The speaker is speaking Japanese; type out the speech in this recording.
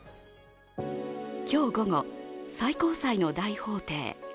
今日午後、最高裁の大法廷。